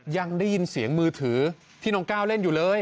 ยังได้ยินเสียงมือถือที่น้องก้าวเล่นอยู่เลย